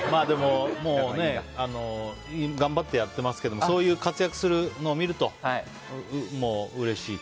頑張ってやってますけどもそういう活躍するのを見るともう、うれしい？